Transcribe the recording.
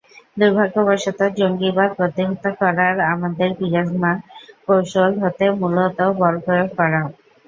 দুর্ভাগ্যবশত, জঙ্গিবাদ প্রতিহত করার আমাদের বিরাজমান কৌশল হলো মূলত বলপ্রয়োগ করা।